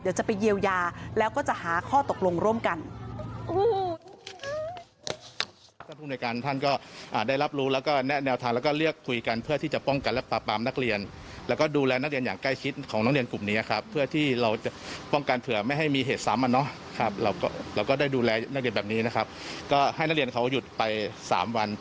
เดี๋ยวจะไปเยียวยาแล้วก็จะหาข้อตกลงร่วมกัน